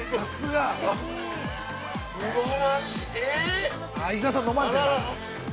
すばらしい。